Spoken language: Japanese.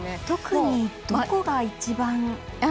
特にどこが一番。